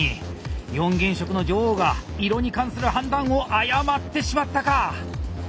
四原色の女王が色に関する判断を誤ってしまったか！